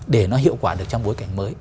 để nó hiệu quả được trong bối cảnh mới